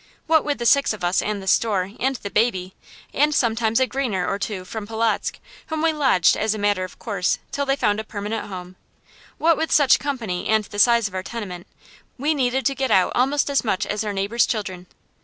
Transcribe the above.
What with the six of us, and the store, and the baby, and sometimes a "greener" or two from Polotzk, whom we lodged as a matter of course till they found a permanent home what with such a company and the size of our tenement, we needed to get out almost as much as our neighbors' children.